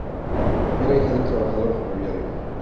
Era hija de un trabajador ferroviario.